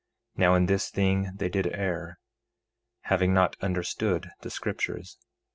Now in this thing they did err, having not understood the scriptures.